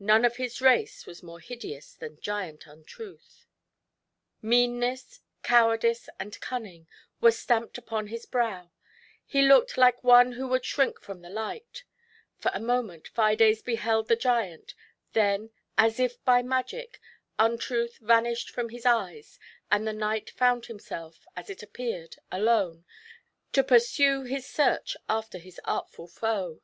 None of his race was more hideous than Giant Untruth; meanness, cowardice, GIANT UNTRUTH. 61 and cunning were stamped upon his brow; he looked like one who would shrink from the light. For a moment Fides beheld the giant, then, as if by magic, Untruth vanished from his eyes, and the knight found himself, as it appeared, alone, to pursue his search after his artful foe.